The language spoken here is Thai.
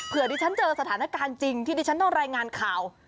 เพื่อดิฉันเจอสถานการณ์จริงที่ดิฉันต้องรายงานข่าว